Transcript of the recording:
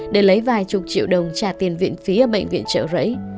để lấy vài chục triệu đồng trả tiền viện phí ở bệnh viện trợ rẫy